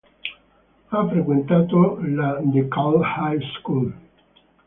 Ha frequentato la DeKalb High School.